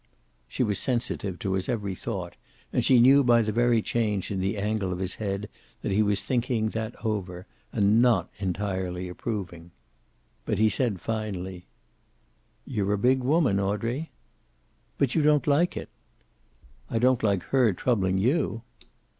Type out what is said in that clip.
She was sensitive to his every thought, and she knew by the very change in the angle of his head that he was thinking that over and not entirely approving. But he said finally: "You're a big woman, Audrey." "But you don't like it!" "I don't like her troubling you."